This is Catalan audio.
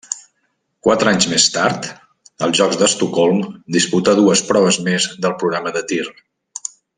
Quatre anys més tard, als Jocs d'Estocolm disputà dues proves més del programa de tir.